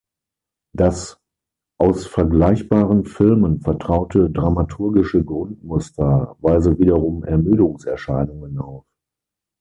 Das „aus vergleichbaren Filmen vertraute dramaturgische Grundmuster“ weise wiederum „Ermüdungserscheinungen“ auf.